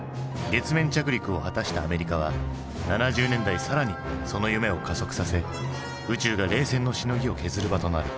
月面着陸を果たしたアメリカは７０年代更にその夢を加速させ宇宙が冷戦のしのぎを削る場となる。